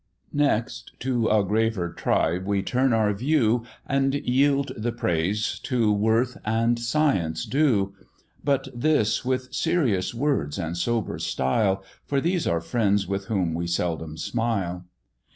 NEXT, to a graver tribe we turn our view, And yield the praise to worth and science due, But this with serious words and sober style, For these are friends with whom we seldom smile.